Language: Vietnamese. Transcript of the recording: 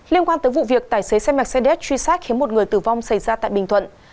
liên quan tới vụ việc tài xế xe mercedes truy sát khiến một người tử vong xảy ra tại bình thuận